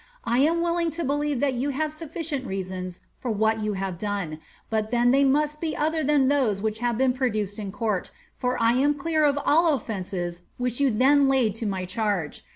I am willing to believe that you have sufficient reasons for what you have done, but then they must be other than those which have been produced in court, for I am clear of all the ounces which you then laid to my charge.